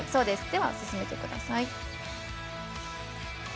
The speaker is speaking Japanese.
では進めてください。